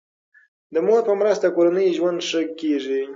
د مور په مرسته کورنی ژوند ښه کیږي.